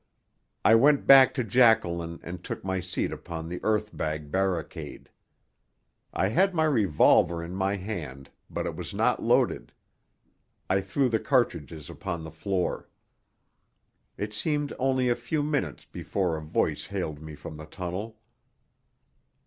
I went back to Jacqueline and took my seat upon the earth bag barricade. I had my revolver in my hand, but it was not loaded. I threw the cartridges upon the floor. It seemed only a few minutes before a voice hailed me from the tunnel.